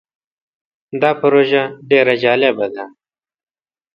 دا پروژه ډیر جالبه ده.